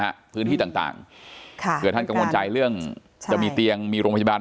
พื้นที่ต่างต่างค่ะเผื่อท่านกังวลใจเรื่องจะมีเตียงมีโรงพยาบาล